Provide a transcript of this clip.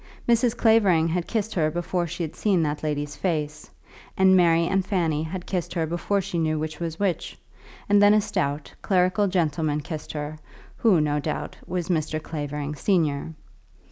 Mrs. Clavering had kissed her before she had seen that lady's face; and Mary and Fanny had kissed her before she knew which was which; and then a stout, clerical gentleman kissed her who, no doubt, was Mr. Clavering, senior.